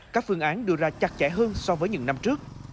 các phương án đưa ra chặt chẽ hơn so với những năm trước